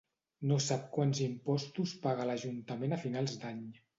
No sap quants impostos paga a l'Ajuntament a final d'any.